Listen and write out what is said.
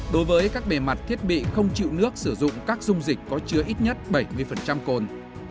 đối với các bề mặt thiết bị không chịu nước sử dụng các dung dịch có chứa ít nhất bảy mươi cồn